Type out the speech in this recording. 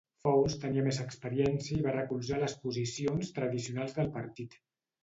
Foulds tenia més experiència i va recolzar les posicions tradicionals del partit.